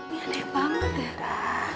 ini aneh banget ya